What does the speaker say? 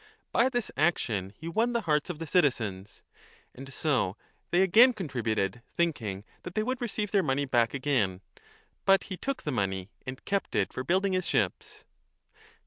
By this action he won the hearts of the 30 citizens. And so they again contributed, thinking that they would receive their money back again ; but he took the money and kept it for building his ships.